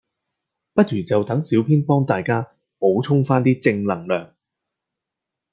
不如就等小編幫大家補充返啲正能量